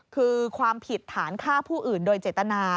คือความผิดฐานฆ่าผู้อื่นโดยเจตนา